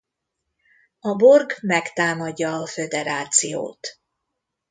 A Borg megtámadja a Föderációt.